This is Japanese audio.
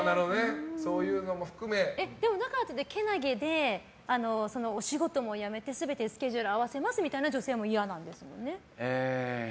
けなげでお仕事も辞めて全てスケジュールを合わせますみたいな女性も嫌なんですよね？